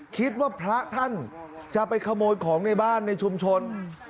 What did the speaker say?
คิดว่าพระท่านจะไปขโมยของในบ้านในชุมชน